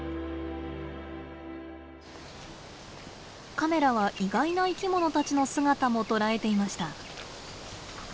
カメラは意外な生きものたちの姿も捉えていました。